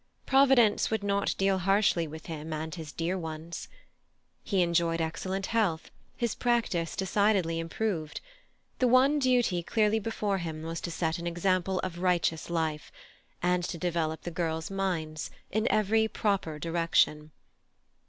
Providence would not deal harshly with him and his dear ones. He enjoyed excellent health; his practice decidedly improved. The one duty clearly before him was to set an example of righteous life, and to develop the girls' minds—in every proper direction.